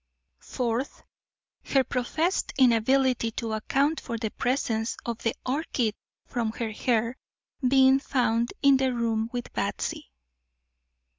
Fourth Her professed inability to account for the presence of the orchid from her hair being found in the room with Batsy.